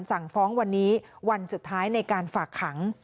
สั่งฟ้องวันนี้วันสุดท้ายในการฝากขัง